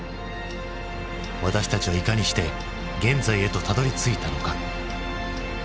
私たちはいかにして現在へとたどりついたのか？